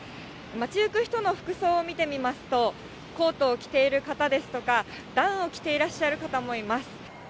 街行く人の服装を見てみますと、コートを着ている方ですとか、ダウンを着ていらっしゃる方もいます。